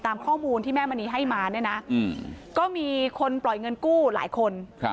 ตามข้อมูลที่แม่มณีให้มาเนี่ยนะก็มีคนปล่อยเงินกู้หลายคน